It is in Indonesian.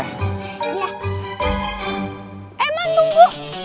eh man tunggu